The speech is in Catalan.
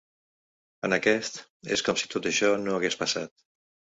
En aquest, és com si tot això no hagués passat.